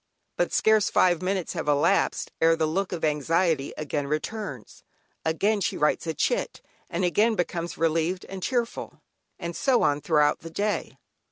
But scarce five minutes have elapsed, ere the look of anxiety again returns; again she writes a "chit," and again becomes relieved and cheerful, and so on throughout the day.